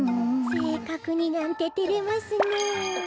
せいかくになんててれますねえ。